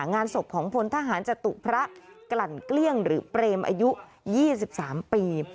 งานศพของพลทหารจตุพระกลั่นเกลี้ยงหรือเปรมอายุ๒๓ปี